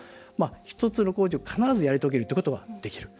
１つの工事を必ずやり遂げることができる。